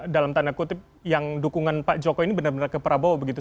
dalam tanda kutip yang dukungan pak jokowi ini benar benar ke prabowo begitu